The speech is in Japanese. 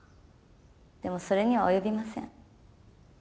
でもそれには及びません。